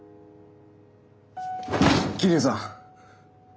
桐生さん。